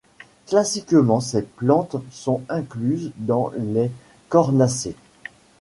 Classiquement ces plantes sont incluses dans les Cornacées.